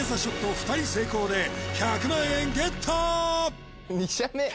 ２人成功で１００万円ゲット！